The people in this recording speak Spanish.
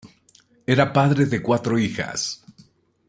Era padre de cuatro hijas.